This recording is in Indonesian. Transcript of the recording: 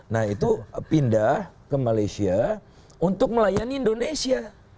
nah itu pindah ke malaysia untuk melayani indonesia